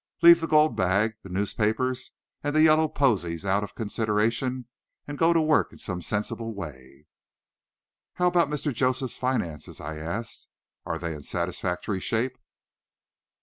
Leave the gold bag, the newspapers, and the yellow posies out of consideration, and go to work in some sensible way." "How about Mr. Joseph's finances?" I asked. "Are they in satisfactory shape?"